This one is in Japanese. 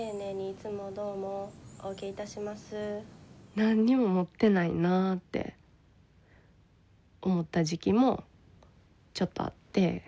何にも持ってないなあって思った時期もちょっとあって。